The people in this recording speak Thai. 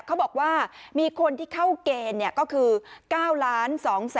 เขาบอกว่ามีคนที่เข้าเกณฑ์ก็คือ๙ล้าน